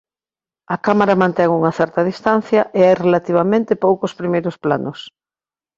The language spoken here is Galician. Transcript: A cámara mantén unha certa distancia e hai relativamente poucos primeiros planos.